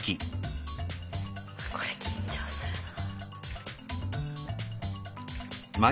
これ緊張するな。